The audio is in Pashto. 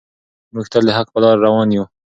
موږ تل د حق په لاره روان یو.